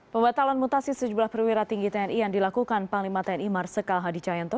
pembatalan mutasi sejumlah perwira tinggi tni yang dilakukan panglima tni marsikal hadi cahyanto